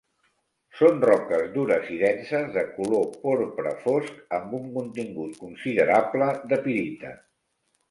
Són roques dures i denses de color porpra fosc amb un contingut considerable de pirita.